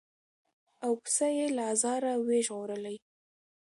او پسه یې له آزاره وي ژغورلی